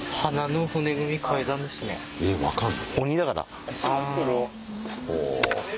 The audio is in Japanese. えっ分かんの？